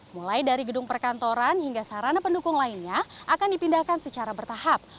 mulai dari gedung perkantoran hingga sarana pendukung lainnya akan dipindahkan secara bertahap